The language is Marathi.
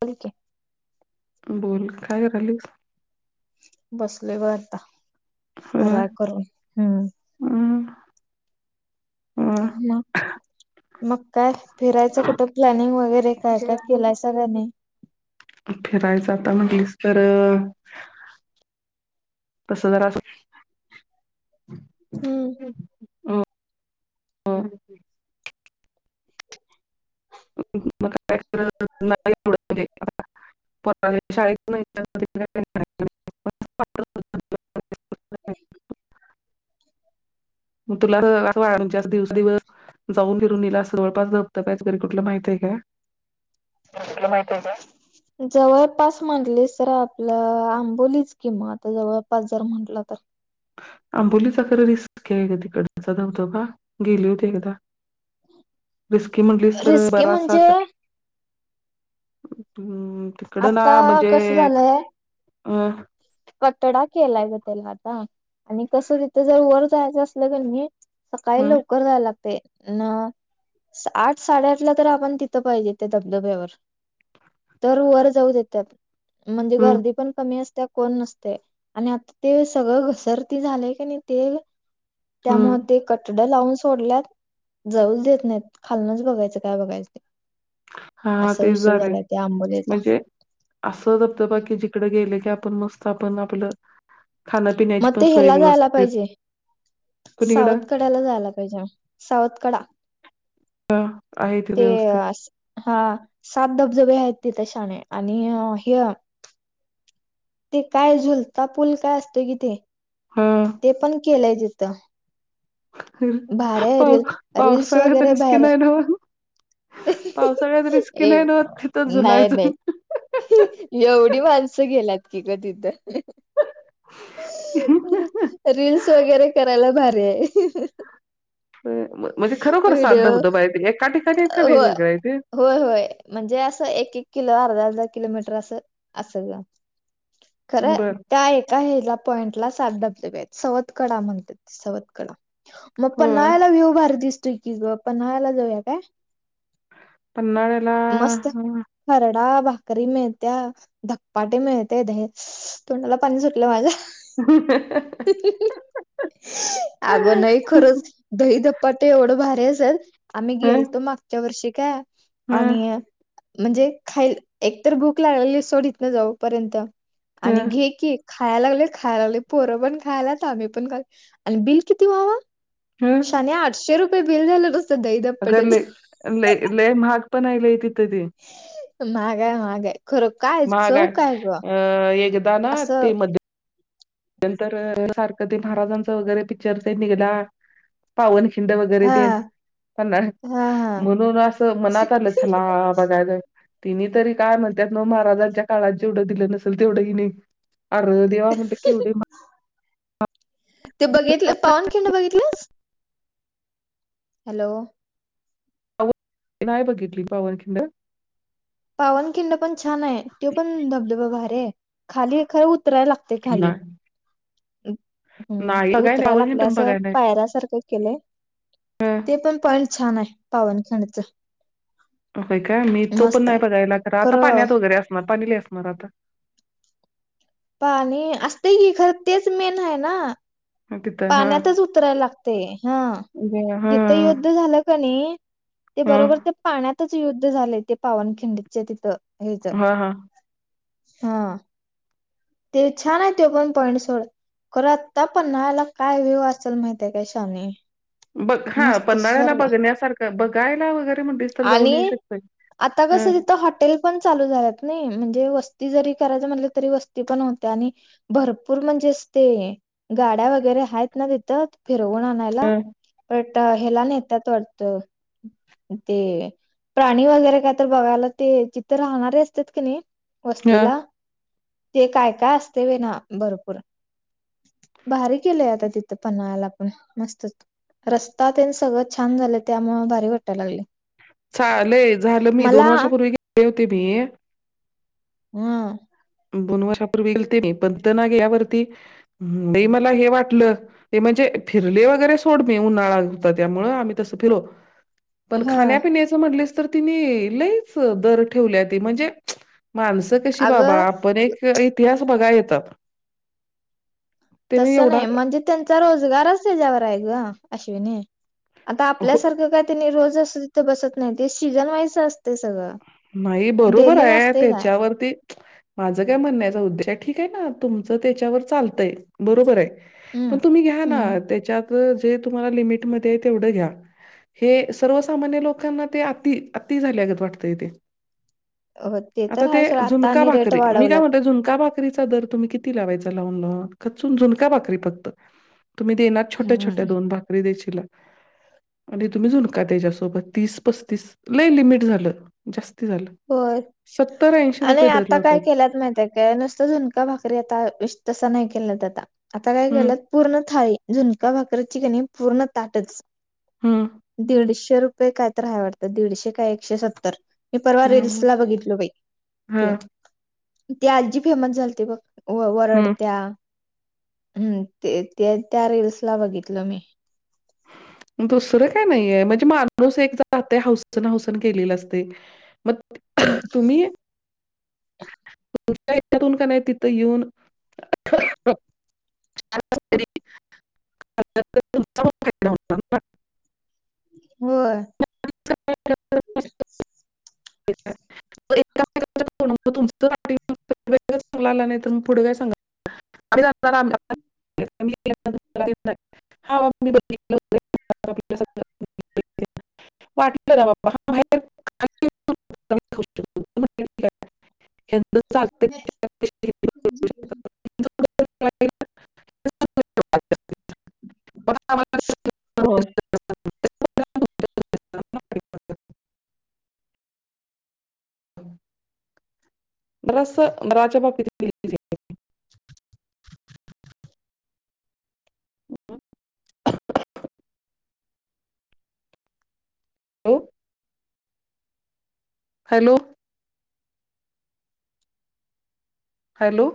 [unintelligible] के बोल काय करायलीस? बसलोय बघ आत्ता, अ फराळ करून. हम्म अ म मग काय फिरायचं कुठं प्लॅनिंग वगैरे काय काय केलायसा का नाय. फिरायचा आता म्हटलीस तर तस जरास हम्म [unintelligible] [inaudible] शाळेत [inaudible] [inaudible] बरंय की म तुला [inaudible] दिव दिवस जाऊन फिरून येईल, अस जवळपास धबधबा कुठलं माहितीय काय? कुठलं माहितीय काय? जवळपास म्हटलीस तर, आपलं आंबोलीच की म आता जवळपास जर म्हटलं तर आंबोलीचा खरं रिस्की हाय गं तिकडचा धबधबा गेली होती एकदा रिस्की म्हटलीस तर रिस्की बरासचा म्हणजे असलं हम्मं, तिकडं ना आता म्हणजे, कसं अ कठडा केलाय ग त्येला आता - आणि कसं तिथ जर वर जायचं असलं, कनीं सकाळी हम्म, लवकर जायला लागतय. ना, आठ साडेआठला तर आपण तिथं पाहिजे त्या धबधब्यावर तर वर जाऊ देत्यात. म्हणजे हम्म, गर्दी पण कमी अस त्या कोण नसतय. आणि आता ते सगळं घसरती झालय कनय ते हम्म. त्यामुळ ते क कटडा लावून सोडल्यात. जाऊच देत नाहीत. खालनाच बघायचं काय बघायचं ते हा हा असा ते विषय झालंय झालाय. त्या आंबोलीचा म्हणजे असं, धबधबा की जिकड गेले की, आपण मस्त आपण आपलं खाण्यापिण्याची मग पण ते सोय हेला जायला व्यवस्थित पाहिजे. कुणीकडं सावत कड्याला जायला पाहिजे. सावत कडा हा आहे ते व्यवस्थित असं, हा सात धबधबे आहेत तिथे शाने आणि हे आ ते काय झुलता पूल काय असतो कि ते, हा ते पण केलय तिथं भारी आहे पा रील रील्स पावसाळ्यात वगैरे रिस्की बाहेर नाय न पावसाळ्यात रिस्की ए नाय न तिथ नाही झुलायच नाही एवढी माणसं गेल्यात की ग तिथं रील्स वगैरे करायला भारी हाय. म म्हणजे खरोखर सात धबधबे हाईत, एका ठिकाणी आहेत का होय वेगवेगळ आहेत होय, होय. म्हणजे असं, एक एक किलो अर्धा अर्धा किलोमीटर असं, असं ग खरं बर ताय त्या हेला पॉईंटला सात धबधबे आहेत. सवत कडा म्हणतेत सवत कडा म होय पन्हाळ्याला व्यूव्ह भारी दिसतोय की ग, पन्हाळ्याला जाऊया काय? पन्हाळ्याला मस्त. खरडा, भाकरी मिळत्या. धपाटे मिळतय. दही तोडला पाणी सुटलं माझ्या आग नाई खरंच दहीधप्पाट एवढं भारी असत्यात, आम्ही ह गेलतो मागच्या वर्षी काय. ह आणि म्हणजे, खाय एक तर भूक लागलेली सोडी इतन जाऊपर्यंत. ह आणि घे की. खाया लागलोय खाया लागलोय, पोरं पण खायल्यात आम्ही पण खालो आणि बिल किती व्हावं. ह शाने आठशे रुपये बिल झालं गं. अगं लै लै महाग पण आहे लय तिथं ते. माहागाय महागाय खरं, काय महाग चव आहे. काय गं अ असं. नंतर सारखं ते महाराजांचं वगैरे पिक्चर ते निघला. पावनखिंड वगैरे हा तेन पुन्हा. हा हा म्हणून असं मनात आलं छनाळा बघायलां. तिने तरी काय म्हणत्यात नवं, महाराजांच्या काळात जेवढं दिलं नसेल तेवढं हेनी. अर देवा म्हणतोय. ते बघितलं पावनखिंड बघितल्यास. हॅलो. ते नाही बघितली पावनखिंड. पावनखिंड पण छान आहे, ते पण धबधबा भारीय खालीय खरं उतरायला लागते खाली. नाही हम नाही बघाय नाही उतरा पावनखिंड लागल्या पण असं, बघाय नाही. पायऱ्या सारखं केलंय ते. हं ते पण पॉईंट छान आहे. पावन [unintelligible] व्हय काय मी तो पण नाही आहे बघायला, खरा आता खरं पाण्यात वगैरे असणार पाणी लै असणार आता. पाणी असतंय की, खरं तेच मेन आहे ना. तिथं हा. पाण्यातच उतरायला लागते. म्हणजे जिथं हां, युद्ध झालं कणी, ते हां. बरोबर ते पा पाण्यातच युद्ध झाले ते, पावनखिंडच्या तिथं हेज. हां, हां. हा. ते छान आहे तो, पण पॉईंट सोड. खरं आत्ता, पन्हाळ्याला काय व्यूव असेल‌माहितीय शाने. बघ हा मस्त पन्हाळ्याला स्वर्ग बघण्यासारखं, बघायला वगैरे म्हणलीस तर जाऊन येऊ आणि शकतोय. आता हं, कसं तिथं. हॉटेल. पण चालू झाल्यात नाही म्हणजे, वस्ती जरी करायच म्हणली तरी वस्ती पण होत्या. भरपूर म्हणजेच ते, गाड्या वगैरे आहेत ना तिथं फिरवून आणायला. हं, पट हेला न्हेत्यात वाटतं. ते प्राणी वगैरे काय तर बघायला ते, तिथं राहणारे असत्यात कणी. हं. वस्तीला ते काय काय असते, बाईना भरपूर. भारी केलेय आता तिथं, पन्हाळ्याला पण मस्तंच. रस्ता तेन सगळं छान झालंय, त्यामुळं भारी वाटाय लागलंय. चालेल झालं मी, दोन वर्षापूर्वी गेले होते मी. अमं. दोन वर्षापूर्वी गेलते मी, पण तेना गेल्यावरती लै मला हे वाटलं. ते म्हणजे फिरले वगैरे सोड, मी उन्हाळा होता त्यामुळं आम्ही तसं फिर पण ह खाण्यापिण्याच तिथं म्हटलीस तर तेनी, लैच दर ठेवल्याती म्हणजे माणसं कशी बाबा. अगं आपण एक इतिहास बघाय येतं. तस एवढा नाही म्हणजे, त्यांचा रोजगारच त्यांच्यावर आहे गं अश्विनी. आता हो आपल्यासारखं काय त्यांनी रोज असं तिथं बसत नाही, ते सीजन वाईज असते सगळं. नाही बरोबर डेली हाय नसते काय त्येच्यावरती माझं काय म्हणण्याचा उद्देश ठीक आहे ना, तुमचं त्याच्यावर चालतंय बरोबर हाय हम्म पण तुम्ही घ्या ना हम्म त्येच्यात जे तुम्हाला लिमिटमध्ये हे तेवढ घ्या हे सर्वसामान्य लोकांना ते अति, अति झाल्यागत वाटतंय तेे [unintelligible] आता ते सोडा आता झुणका आणि रेट भाकरी, मी काय वाढवल्यात म्हणतोय झुणका भाक रीचा दर तुम्ही किती लावायचा लावून लावून झुणका भाकरी फक्त तुम्ही देना छोट्या, छोट्या हम्म दोन भाकरी देशीला आणि तुम्ही झुणका तुज्यासोबत तीस, पस्तीस लई लिमिट झालं जास्ती झालं, होय सत्तर ऐंशी रुपये दर लावतात माहितय काय नुसतं झुणका भाकरी आता तस नाही केल्यात आता, आता काय हम्म केल्यात पूर्ण थाळी, झुणका भाकरची कणी पूर्ण ताटच, हं, दीडशे रुप काय तर हाय वाटतं दीडशे काय एकशे सत्तर मी परवा हां, मग. रिल्सला बघितल बाई ते, हां, ती आज्जी फेमस झालती बघ व हं. वरडत्या हम्मं ते ते त्या रील्सला बघितलं मी दुसरं काय नाहीय म्हणजे माणूस एकदा हौसन हौसन केलेलं असतय म हम्म [unintelligible] का नाही तिथं येऊन [unintelligible] [unintelligible] [unintelligible] होय [unintelligible] [unintelligible] [unintelligible] [unintelligible] तर पुढ काय सांगा [unintelligible] [unintelligible] [unintelligible] खाऊ शकतो. [unintelligible] शकतात. [unintelligible] हो करायला [unintelligible] बर अस [unintelligible] हों हॅलो हॅलो